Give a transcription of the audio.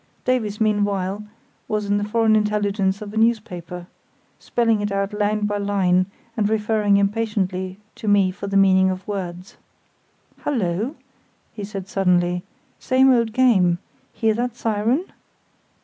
Davies, meanwhile, was deep in the foreign intelligence of a newspaper, spelling it out line by line, and referring impatiently to me for the meaning of words. "Hullo!" he said, suddenly; "same old game! Hear that siren?"